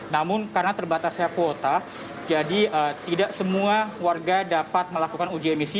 namun karena terbatasnya kuota jadi tidak semua warga dapat melakukan uji emisi